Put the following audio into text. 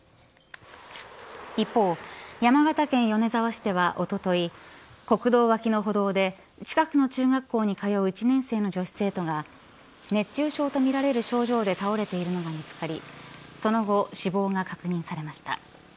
一方、山形県米沢市ではおととい国道脇の歩道で近くの中学校に通う１年生の女子生徒が熱中症とみられる症状で倒れているのが見つかりその後、死亡が確認されました。